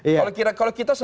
kalau kita sebagai manusia